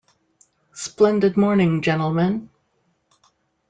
Splendid morning, gentlemen.